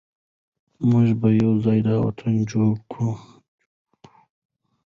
موږ به یو ځای دا وطن جوړوو.